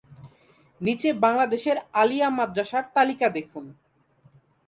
নিচে বাংলাদেশের আলিয়া মাদ্রাসার তালিকা দেখুন।